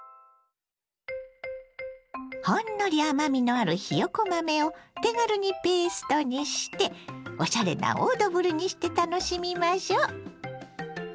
ほんのり甘みのあるひよこ豆を手軽にペーストにしておしゃれなオードブルにして楽しみましょう。